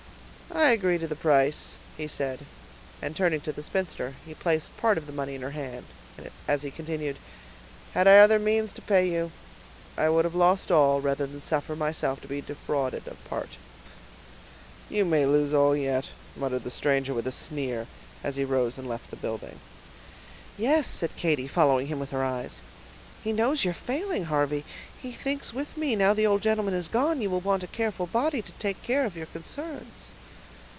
"I agree to the price," he said; and, turning to the spinster, he placed part of the money in her hand, as he continued, "Had I other means to pay you, I would have lost all, rather than suffer myself to be defrauded of part." "You may lose all yet," muttered the stranger, with a sneer, as he rose and left the building. "Yes," said Katy, following him with her eyes, "he knows your failing, Harvey; he thinks with me, now the old gentleman is gone, you will want a careful body to take care of your concerns."